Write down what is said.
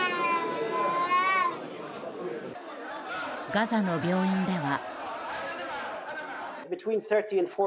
ガザの病院では。